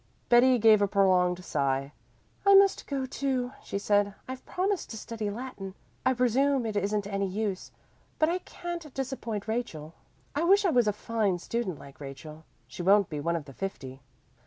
Betty gave a prolonged sigh. "I must go too," she said. "I've promised to study Latin. I presume it isn't any use, but I can't disappoint Rachel. I wish I was a fine student like Rachel. She won't be one of the fifty."